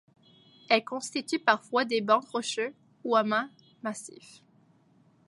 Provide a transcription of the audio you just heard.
Elle constitue parfois des bancs rocheux ou amas massifs.